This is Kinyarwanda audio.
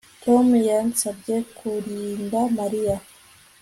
Tom yansabye kurinda Mariya